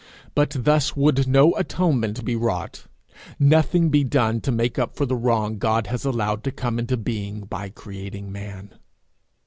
But thus would no atonement be wrought nothing be done to make up for the wrong God has allowed to come into being by creating man.